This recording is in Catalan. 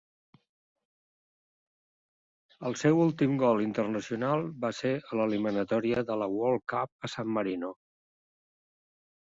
El seu últim gol internacional va ser a l'eliminatòria de la World Cup a San Marino.